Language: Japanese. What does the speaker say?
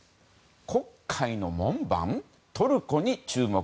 黒海の門番トルコに注目。